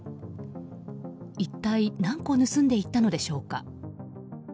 一体、何個盗んでいったのでしょうか。